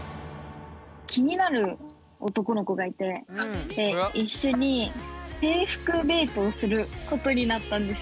気になる男の子がいて一緒に制服デートをすることになったんです。